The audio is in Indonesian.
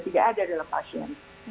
tidak ada dalam pasien